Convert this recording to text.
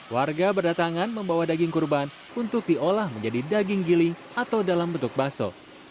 warga berdatangan membawa daging kurban untuk diolah menjadi daging giling atau dalam bentuk baso